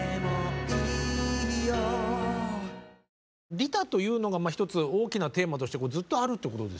「利他」というのが一つ大きなテーマとしてずっとあるってことですよね。